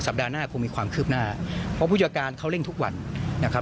ปัดหน้าคงมีความคืบหน้าเพราะผู้จัดการเขาเร่งทุกวันนะครับ